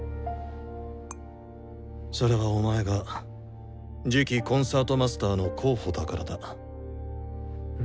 それはお前が次期コンサートマスターの候補だからだ。